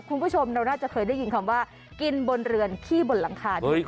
คุณผู้ชมเราน่าจะเคยได้ยินคำว่ากินบนเรือนขี้บนหลังคาด้วย